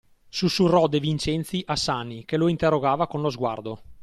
Sussurrò De Vincenzi a Sani, che lo interrogava con lo sguardo.